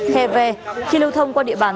khe ve khi lưu thông qua địa bàn